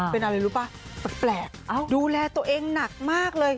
เป็นอะไรรู้ป่ะแปลกดูแลตัวเองหนักมากเลย